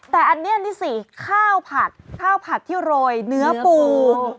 แต่อันนี้นี่สิข้าวผัดข้าวผัดที่โรยเนื้อปู